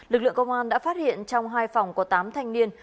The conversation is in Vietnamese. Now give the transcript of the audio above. lực lượng công an đã phát hiện trong hai phòng có tám thanh niên